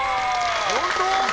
本当！？